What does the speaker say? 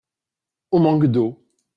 On manque d’eau.